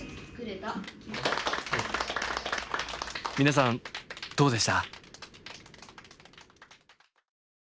皆さんどうでした？